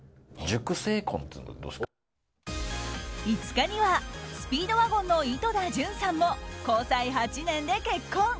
５日には、スピードワゴンの井戸田潤さんも交際８年で結婚。